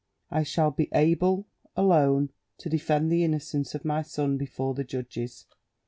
I shall be able, alone, to defend the innocence of my son before the judges."